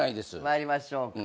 参りましょうか。